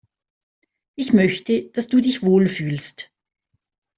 Ich möchte, dass du dich wohl fühlst.